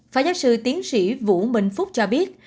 phó giáo sư tiến sĩ vũ minh phúc cho biết